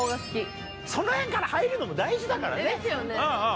その辺から入るのも大事だからね。